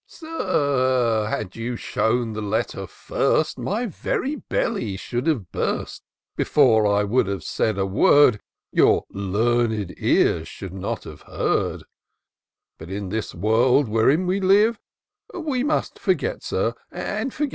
" Sir, had you shown the letter first. My very belly should have burst Before I would have said a word Your learned ears should not have heard; But, in this world wherein we live, We must forget, Sir, and forgive.